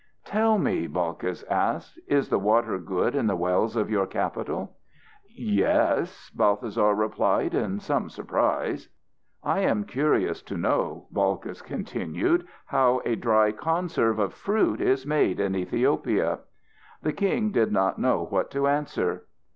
"Tell me," Balkis asked, "is the water good in the wells of your capital?" "Yes," Balthasar replied in some surprise. "I am also curious to know," Balkis continued, "how a dry conserve of fruit is made in Ethiopia?" The king did not know what to answer.